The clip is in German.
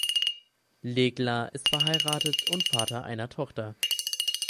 Legler ist verheiratet und Vater einer Tochter.